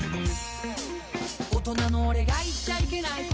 「大人の俺が言っちゃいけない事」